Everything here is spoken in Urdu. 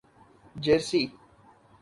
جرسی